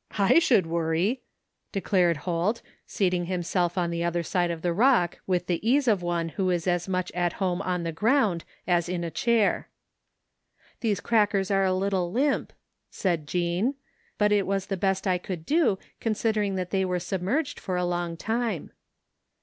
"" I should worry! " declared Holt, seating himself on the other side of the rock with the ease of one who is as much at home on the ground as on a chair. " These crackers are a little limp," said Jean, " but 51 THE FINDING OF JASPER HOLT it was the best I could do considering that they were submerged for a long time."